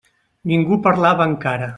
Ningú parlava encara.